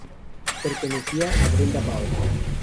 Pertenecía a Brenda Ball.